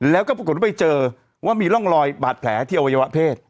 แล้วก็ปรากฏว่าไปเจอว่ามีร่องรอยบาดแผลที่อวัยวะเพศ